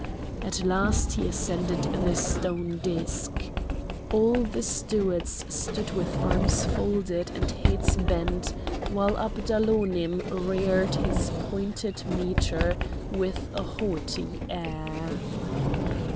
At last he ascended the stone disc. All the stewards stood with arms folded and heads bent while Abdalonim reared his pointed mitre with a haughty air.